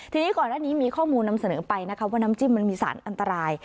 ทีนี้ก่อนหน้านี้มีข้อมูลนำเสนอไปนะคะว่าน้ำจิ้มมันมีสารอันตราย